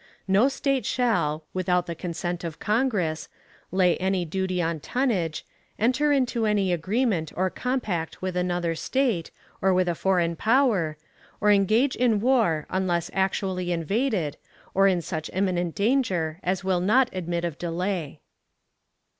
No State shall, without the consent of Congress, lay any duty on tonnage, enter into any agreement or compact with another State, or with a foreign power, or engage in war unless actually invaded, or in such imminent danger as will not admit of delay.